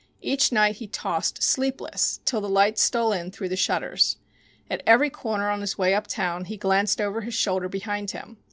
Each night he tossed, sleepless, till the light stole in through the shutters. At every corner on his way uptown he glanced over his shoulder behind him.